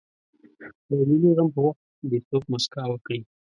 د یوه ملي غم په وخت دې څوک مسکا وکړي.